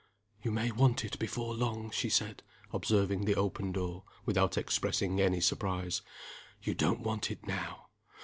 "You may want it before long," she said, observing the open door, without expressing any surprise, "You don't want it now.